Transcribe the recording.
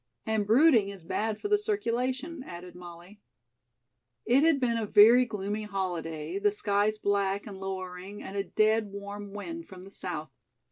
"And brooding is bad for the circulation," added Molly. It had been a very gloomy holiday, the skies black and lowering and a dead, warm wind from the south.